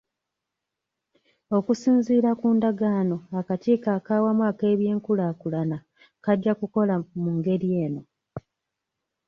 Okusinziira ku ndagaano, akakiiko ak'awamu ak'ebyenkulaakulana kajja kukola mu ngeri eno.